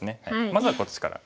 まずはこっちから。